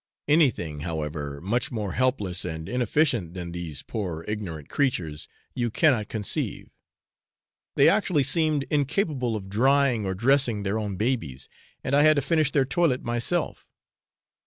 Anything, however, much more helpless and inefficient than these poor ignorant creatures you cannot conceive; they actually seemed incapable of drying or dressing their own babies, and I had to finish their toilet myself.